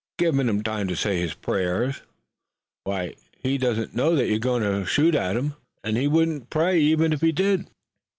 "I'm givin' him time to say his prayers." "Why, he doesn't know that you're going to shoot at him, and he wouldn't pray, even if he did."